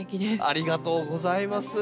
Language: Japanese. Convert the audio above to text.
ありがとうございます。